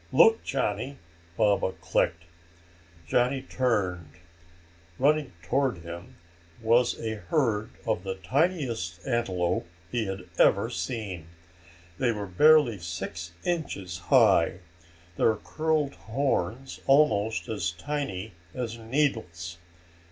"Look, Johnny!" Baba clicked. Johnny turned. Running toward them was a herd of the tiniest antelope he had ever seen. They were barely six inches high, their curled horns almost as tiny as needles.